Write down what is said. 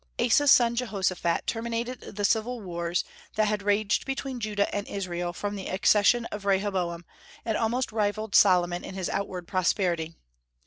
Asa's son Jehoshaphat terminated the civil wars that had raged between Judah and Israel from the accession of Rehoboam, and almost rivalled Solomon in his outward prosperity.